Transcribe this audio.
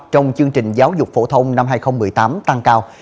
trong chương trình giáo dục phổ thông năm hai nghìn một mươi tám tăng cao